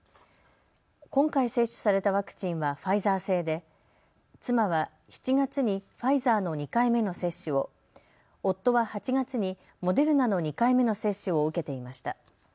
今回接種されたワクチンはファイザー製で妻は７月にファイザーの２回目の接種を、夫は８月にモデルナの２回目の接種を受けていました。